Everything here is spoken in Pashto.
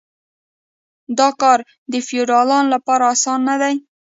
دا کار د فیوډالانو لپاره اسانه نه و.